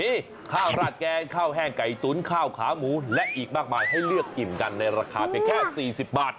มีข้าวราดแกงข้าวแห้งไก่ตุ๋นข้าวขาหมูและอีกมากมายให้เลือกอิ่มกันในราคาเพียงแค่๔๐บาท